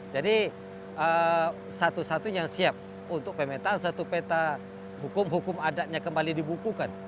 jadi satu satunya siap untuk pemerintah satu peta hukum hukum adatnya kembali dibukukan